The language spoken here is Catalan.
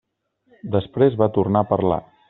Després va tornar a parlar.